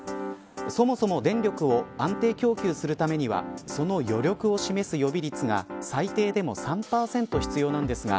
そもそも電力を安定供給するためにはその余力を示す予備率が最低でも３％必要なんですが